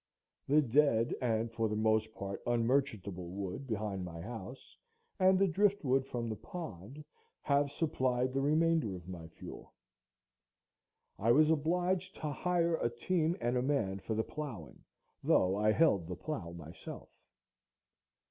The dead and for the most part unmerchantable wood behind my house, and the driftwood from the pond, have supplied the remainder of my fuel. I was obliged to hire a team and a man for the ploughing, though I held the plough myself.